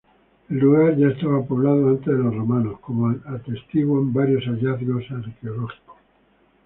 El lugar ya estaba poblado antes de los romanos, como atestiguan varios hallazgos arqueológicos.